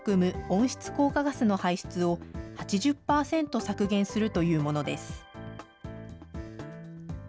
温室効果ガスの排出を８０％削減するというものです。